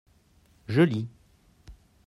je lis.